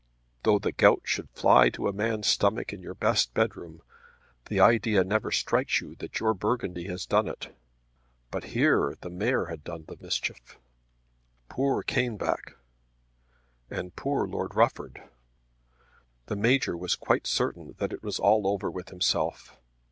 Though the gout should fly to a man's stomach in your best bedroom, the idea never strikes you that your burgundy has done it! But here the mare had done the mischief. Poor Caneback; and poor Lord Rufford! The Major was quite certain that it was all over with himself.